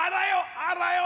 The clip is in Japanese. あらよ！